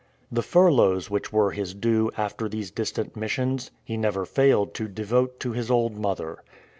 The furloughs which were his due after these distant missions, he never failed to devote to his old mother.